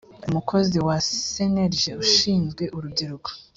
umukozi wa cnlg ushinzwe urubyiruko